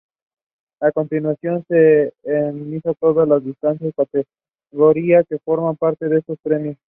A continuación, se enlistan todas las distintas categorías que forman parte de estos premios.